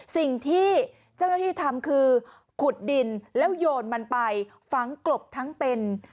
สิ่งที่เจ้าหน้าที่ทำคือขุดดินแล้วโยนมันไปฝังกลบทั้งเป็น